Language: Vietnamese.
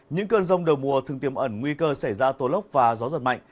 những cơn rông đầu mùa thường tiêm ẩn nguy cơ xảy ra tố lốc và gió giật mạnh